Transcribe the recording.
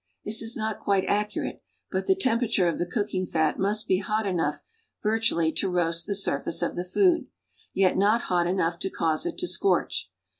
This is not cjuite accurate but tiie temper ature of the cooking fat nuist be hot enough virtually to roast the surface of the food, yet not hot cTiough to cause it to scorch.